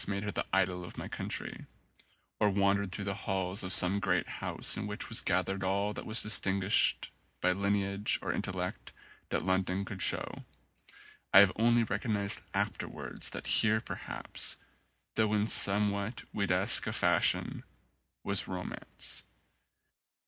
made her the idol of my country, or wandered through the halls of some great house in which was gathered all that was distinguished by lineage or intellect that London could show, I have only recognized afterwards that here perhaps, though 96 ROMANCE in somewhat Ouidaesque a fashion, was romance.